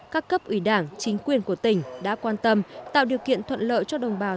các cấp ủy đảng chính quyền của tỉnh đã quan tâm tạo điều kiện thuận lợi cho đồng bào